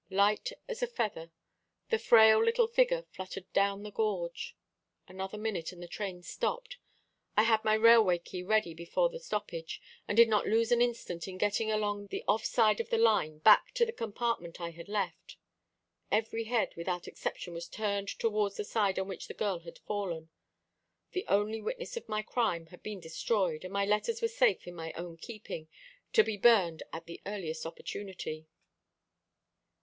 Light as a feather, the frail little figure fluttered down the gorge. Another minute, and the train stopped. I had my railway key ready before the stoppage, and did not lose an instant in getting along the off side of the line back to the compartment I had left. Every head without exception was turned towards the side on which the girl had fallen. The only witness of my crime had been destroyed, and my letters were safe in my own keeping, to be burned at the earliest opportunity."